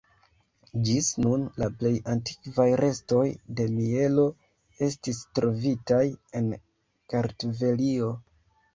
Ĝis nun, la plej antikvaj restoj de mielo estis trovitaj en Kartvelio.